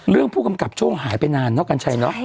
เรื่องผู้กำกับโจ้หายไปนานเนอะกัลชัย